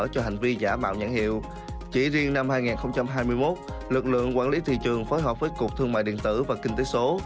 chỉ riêng năm hai nghìn hai mươi một lực lượng quản lý thị trường phối hợp với cục thương mại điện tử và kinh tế số